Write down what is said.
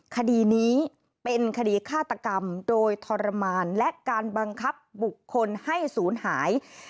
คดีนี้เป็นคดีฆาตกรรมโดยทรมานและการบังคับบุคคลให้ศูนย์หาย